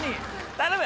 頼む。